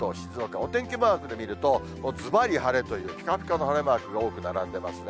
お天気マークで見ると、ずばり晴れという、ぴかぴかの晴れマークが多く並んでますね。